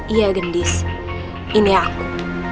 iya gendis ini aku